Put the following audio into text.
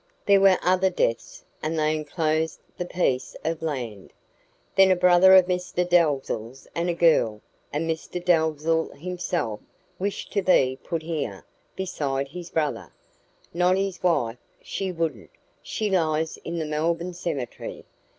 There were other deaths, and they enclosed the piece of land. Then a brother of Mr Dalzell's, and a girl; and Mr Dalzell himself wished to be put here, beside his brother. Not his wife, she wouldn't; she lies in the Melbourne cemetery.